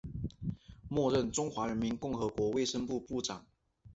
末任中华人民共和国卫生部部长。